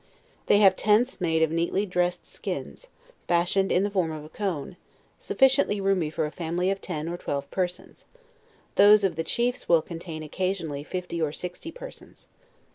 They have tents made of neatly dressed skins, fashioned in the form of a cone, sufficiently roomy for a family often or twelve persons; those of the chiefs will contain occasionally fifty or sixty persons.